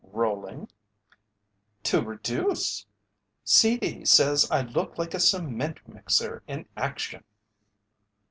"Rolling?" "To reduce. C. D. says I look like a cement mixer in action."